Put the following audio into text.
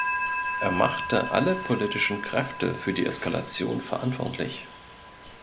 Er machte alle politischen Kräfte für die Eskalation verantwortlich.